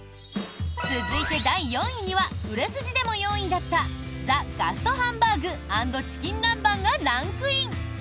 続いて、第４位には売れ筋でも４位だったＴＨＥガストハンバーグ＆チキン南蛮がランクイン。